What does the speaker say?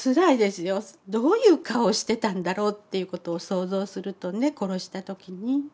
どういう顔をしてたんだろうということを想像するとね殺した時に。